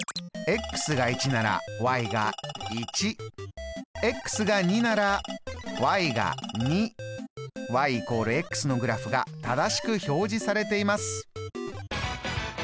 が１ならが１。が２ならが２。＝のグラフが正しく表示されています。